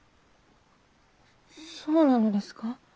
そうなのですか？